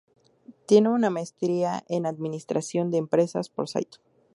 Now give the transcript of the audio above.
Tiene una Maestría en Administración de Empresas por St.